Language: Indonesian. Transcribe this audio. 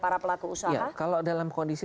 para pelaku usia kalau dalam kondisi